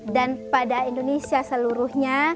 dan pada indonesia seluruhnya